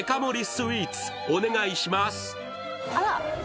スイーツお願いします。